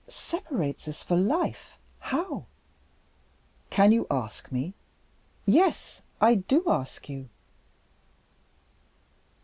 "Separates us for life? How?" "Can you ask me?" "Yes, I do ask you!"